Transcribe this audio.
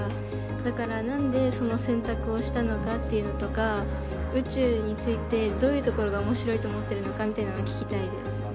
だからなんでその選択をしたのかっていうのとか宇宙についてどういうところが面白いと思ってるのかみたいなのが聞きたいです。